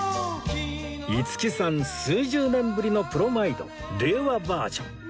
五木さん数十年ぶりのプロマイド令和バージョン